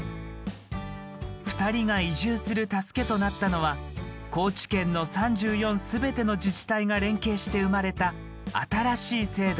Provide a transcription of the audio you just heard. ２人が移住する助けとなったのは高知県の３４すべての自治体が連携して生まれた新しい制度。